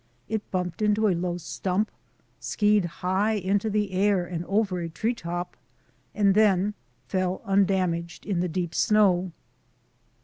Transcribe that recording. It bumped into a low stump, skied high into the air and over a tree top, and then fell undamaged in the deep snow.